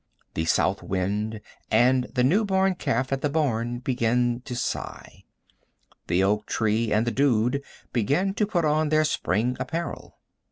The south wind and the new born calf at the barn begin to sigh. The oak tree and the dude begin to put on their spring apparel.